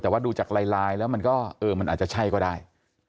แต่ว่าดูจากลายแล้วมันอาจจะใช่ก็ได้